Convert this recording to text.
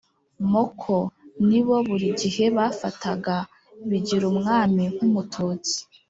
moko Ni bo buri gihe bafataga Bigirumwami nk Umututsi